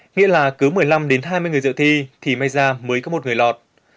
nghĩa là cứ một mươi năm đến hai mươi người dự thi thì may ra mới có một người lọt